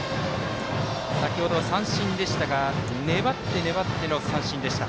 先ほどは三振でしたが粘って粘っての三振でした。